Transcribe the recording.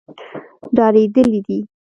ډارېدلي دي.